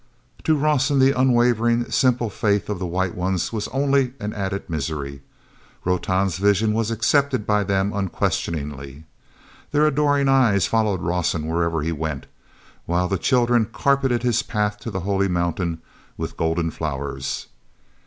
o Rawson the unwavering, simple faith of the White Ones was only an added misery. Rotan's vision was accepted by them unquestioningly; their adoring eyes followed Rawson wherever he went, while the children carpeted his path to the holy mountain with golden flowers.